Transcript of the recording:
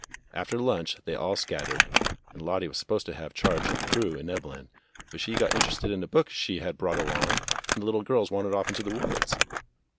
After lunch they all scattered, and Lottie was sup posed to have charge of Prue and Evelyn, but she got interested in a book she had brought along, and the little girls wandered off into the woods.